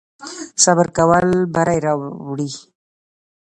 صبر کول بری راوړي